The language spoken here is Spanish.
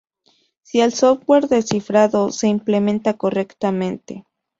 Si el software de cifrado se implementa correctamente